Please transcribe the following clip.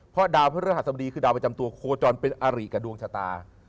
เพราะดาวพระฤหัสบดีคือดาวประจำตัวโคจรเป็นอาริกับดวงชะตา